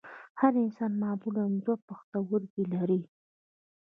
هر انسان معمولاً دوه پښتورګي لري